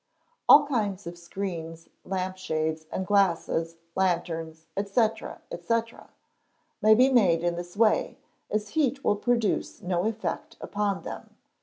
All kinds of screens, lamp shades and glasses, lanterns, &c., &c., may be made in this way, as heat will produce no effect upon them.